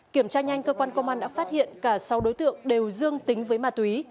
kiểm tra nhanh cơ quan công an đã phát hiện cả sáu đối tượng đều dương tính với ma túy